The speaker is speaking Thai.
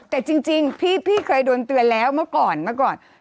แต่จริงพี่เคยโดนเตือนแล้วเมื่อก่อน